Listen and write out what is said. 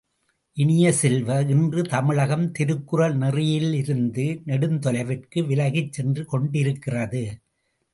இனிய செல்வ, இன்று தமிழகம் திருக்குறள் நெறியிலிருந்து நெடுந்தொலைவிற்கு விலகிச் சென்று கொண்டிருக்கிறது.